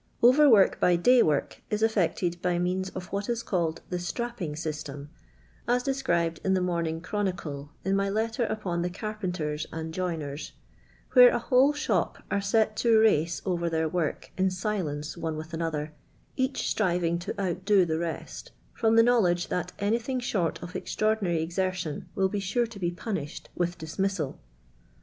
Over work by day work is effected by means of what is called the "strapping system" (as de scribed in the Morning CkronicU in my letter ttpon the carpenters and joiners), where a whole shop are set to race over their work in silence one with another, each striving to outdo the rest, ficom the knowledge that anything short of extra i ordinary exertion will be sure to be punished with dismissal.